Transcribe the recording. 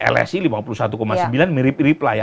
lsi lima puluh satu sembilan mirip mirip lah ya